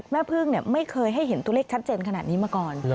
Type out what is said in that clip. แม่พึ่งไม่เคยให้เห็นตัวเลขชัดเจนขนาดนี้มาก่อน